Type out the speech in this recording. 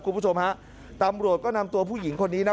คุณผู้ชมฮะตำรวจก็นำตัวผู้หญิงคนนี้นะ